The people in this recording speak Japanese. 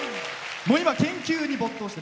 今、研究に没頭して。